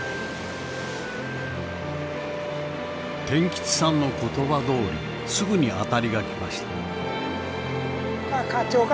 天吉さんの言葉どおりすぐに当たりが来ました。